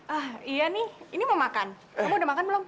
ah iya nih ini mau makan kamu udah makan belum